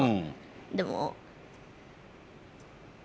でも。